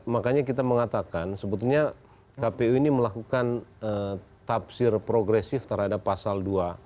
makanya kita mengatakan sebetulnya kpu ini melakukan tapsir progresif terhadap pasal dua ratus empat puluh tujuh